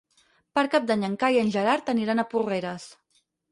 Per Cap d'Any en Cai i en Gerard aniran a Porreres.